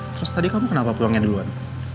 terus tadi kamu kenapa peluangnya duluan